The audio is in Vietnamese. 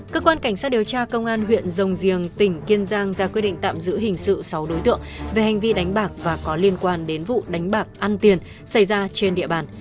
cơ quan cảnh sát điều tra công an huyện rồng riềng tỉnh kiên giang ra quyết định tạm giữ hình sự sáu đối tượng về hành vi đánh bạc và có liên quan đến vụ đánh bạc ăn tiền xảy ra trên địa bàn